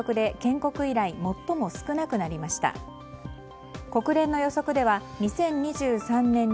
国連の予測では、２０２３年に